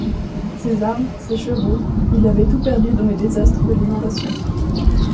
Ses armes, ses chevaux, il avait tout perdu dans les désastres de l’inondation.